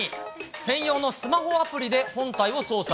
専用のスマホアプリで本体を操作。